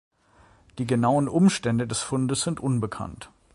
Die genauen Umstände des Fundes sind unbekannt.